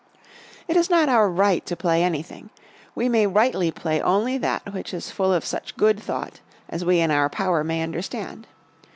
It is not our right to play anything. We may rightly play only that which is full of such good thought as we in our power may understand.